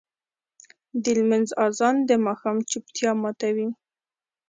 د لمونځ اذان د ماښام چوپتیا ماتوي.